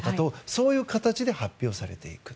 そういう形で発表されていく。